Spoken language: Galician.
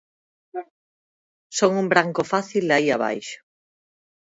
Son un branco fácil aí abaixo.